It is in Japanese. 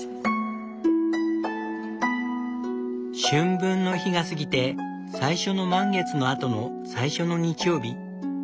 春分の日が過ぎて最初の満月の後の最初の日曜日。